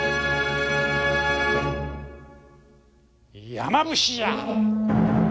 山伏じゃ！